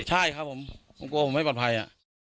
ใช่ครับผมผมกลัวผมไม่ปลอดภัย